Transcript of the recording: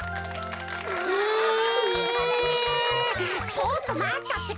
ちょっとまったってか。